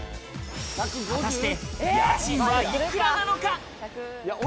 果たして家賃は幾らなのか？